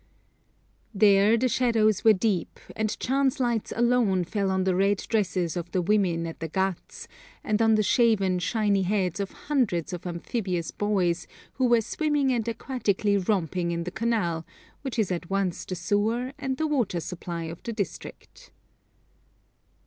There the shadows were deep, and chance lights alone fell on the red dresses of the women at the ghats, and on the shaven, shiny heads of hundreds of amphibious boys who were swimming and aquatically romping in the canal, which is at once the sewer and the water supply of the district.